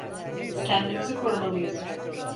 Kendimizi korumalıyız.